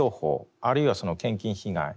あるいは献金被害